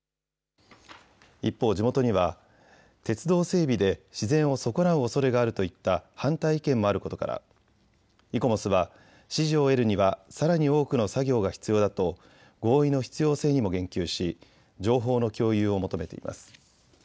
一方、地元には鉄道整備で自然を損なうおそれがあるといった反対意見もあることからイコモスは支持を得るにはさらに多くの作業が必要だと合意の必要性にも言及し情報の共有を求めています。